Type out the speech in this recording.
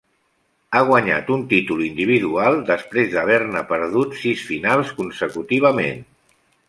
Ha guanyat un títol individual després d'haver-ne perdut sis finals consecutivament.